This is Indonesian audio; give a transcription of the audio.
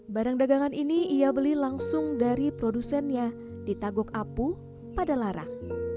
barang dagangan ini ia beli langsung dari produsennya di tagok apu padalarang